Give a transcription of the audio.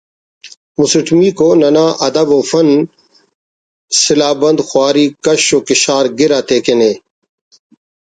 مسٹمیکو ننا ادب و فن سلہہ بند خواری کش و کشارگر تے کن ءِ